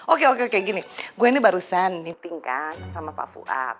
oke oke kayak gini gue ini barusan meeting kan sama pak fuad